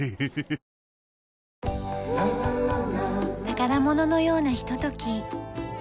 宝物のようなひととき。